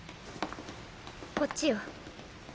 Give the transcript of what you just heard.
こっちよ。